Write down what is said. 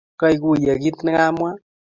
kaiguiye kiit ne kamwa